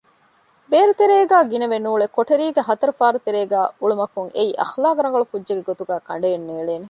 ބޭރުތެރޭގައި ގިނަވެ ނޫޅެ ކޮޓަރީގެ ހަތަރު ފާރުތެރޭގައި އުޅުމަކުން އެއީ އަޚްލާޤްރަނގަޅު ކުއްޖެއްގެ ގޮތުގައި ކަނޑައެއް ނޭޅޭނެ